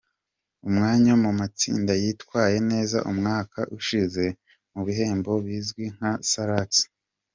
umwanya mu matsinda yitwaye neza umwaka ushize mu bihembo bizwi nka Salax.